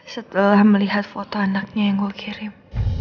setelah melihat foto anaknya yang gue kirim